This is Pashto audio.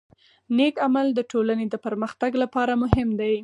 نیک عمل د ټولنې د پرمختګ لپاره مهم دی.